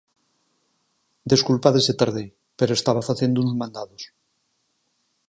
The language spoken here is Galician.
Desculpade se tardei, pero estaba facendo uns mandados.